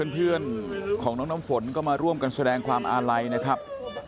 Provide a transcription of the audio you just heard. เพื่อนของน้องน้ำฝนก็มาร่วมกันแสดงความอาลัยนะครับ